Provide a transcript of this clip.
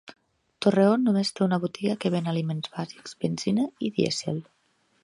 Torreón només té una botiga que ven aliments bàsics, benzina i dièsel.